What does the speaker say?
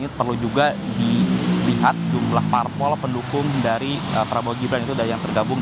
ini perlu juga dilihat jumlah parpol pendukung dari prabowo gibran itu yang tergabung